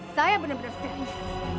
saya benar benar serius